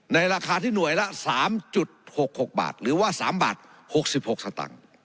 ราคาที่หน่วยละ๓๖๖บาทหรือว่า๓บาท๖๖สตังค์